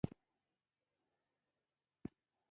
سهار اته بجې د غوټۍ ماما ګان راغلل.